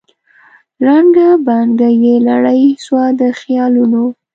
ړنګه بنګه یې لړۍ سوه د خیالونو